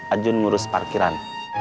ajun ngurus parkiran